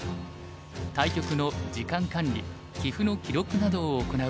対局の時間管理棋譜の記録などを行う仕事です。